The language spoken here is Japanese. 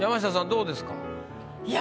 どうですか？